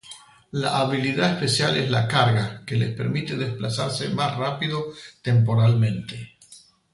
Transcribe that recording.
La habilidad especial es la "carga", que les permite desplazarse más rápido temporalmente.